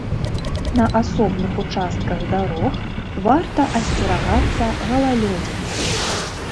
На асобных участках дарог варта асцерагацца галалёдзіцы.